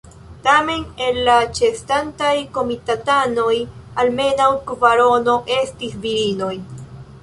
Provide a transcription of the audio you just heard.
Tamen el la ĉeestantaj komitatanoj almenaŭ kvarono estis virinoj.